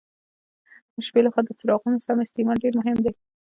د شپې له خوا د څراغونو سم استعمال ډېر مهم دی.